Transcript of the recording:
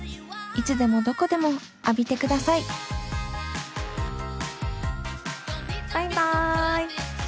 いつでもどこでも浴びてくださいバイバイ。